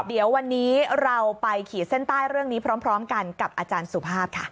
เดี๋ยววันนี้เราไปขีดเส้นใต้เรื่องนี้พร้อมกันกับอาจารย์สุภาพค่ะ